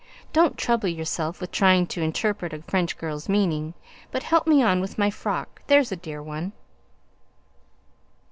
Don't trouble yourself with trying to interpret a French girl's meaning, but help me on with my frock, there's a dear one."